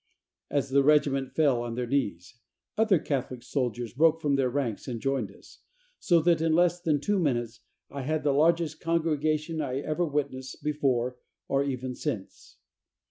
"As the regiment fell on their knees, other Catholic soldiers broke from their ranks and joined us, so that in less than two minutes I had the largest congregation I ever witnessed before, or even since.